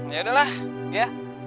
ya udah lah ya